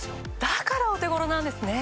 だからお手頃なんですね。